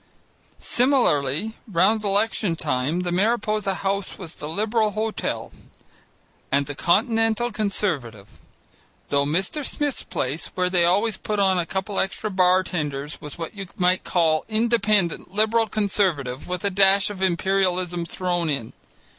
Similarly round election time, the Mariposa House was the Liberal Hotel, and the Continental Conservative, though Mr. Smith's place, where they always put on a couple of extra bar tenders, was what you might call Independent Liberal Conservative, with a dash of Imperialism thrown in.